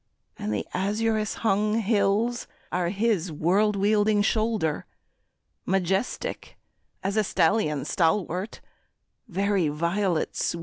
And the azurous hung hills are his world wielding shoulder Majestic as a stallion stalwart, very violet sweet!